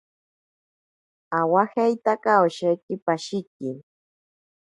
Awajeitaka osheki pashiki.